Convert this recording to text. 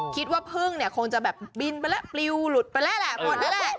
คิดว่าเพิ่งคงจะบินไปแล้วบิวหรือหลุดไปแล้วนะ